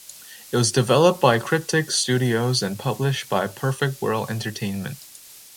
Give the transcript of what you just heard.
It was developed by Cryptic Studios and published by Perfect World Entertainment.